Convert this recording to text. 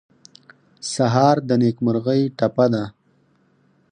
سهار د نیکمرغۍ ټپه ده.